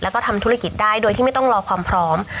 แล้วก็ทำธุรกิจได้โดยที่ไม่ต้องรอความพร้อม